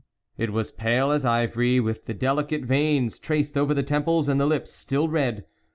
It was pale as ivory, with the delicate veins traced over the temples, and the lips still red.